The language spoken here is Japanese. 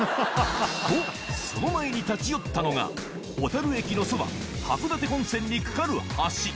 と、その前に立ち寄ったのが、小樽駅のそば、函館本線に架かる橋。